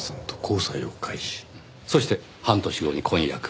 そして半年後に婚約。